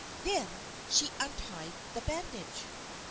Then she untied the bandage.